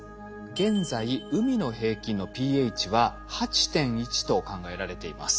現在海の平均のｐＨは８．１と考えられています。